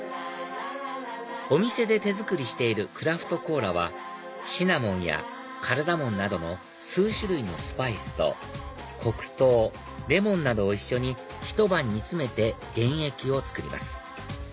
お店で手作りしているＣＲＡＦＴＣＯＬＡはシナモンやカルダモンなどの数種類のスパイスと黒糖レモンなどを一緒にひと晩煮つめて原液を作ります